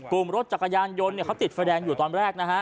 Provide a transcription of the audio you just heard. กลุ่มรถจักรยานยนต์เขาติดไฟแดงอยู่ตอนแรกนะฮะ